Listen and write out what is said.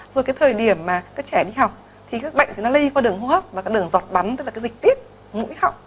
rồi cái thời điểm mà các trẻ đi học thì các bệnh nó lây qua đường hô hấp và đường giọt bắn tức là cái dịch tiết ngũi học